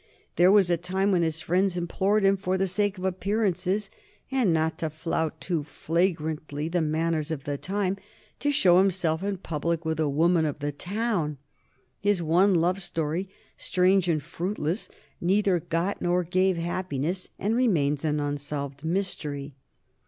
There was a time when his friends implored him for the sake of appearances, and not to flout too flagrantly the manners of the time, to show himself in public with a woman of the town. His one love story, strange and fruitless, neither got nor gave happiness and remains an unsolved mystery.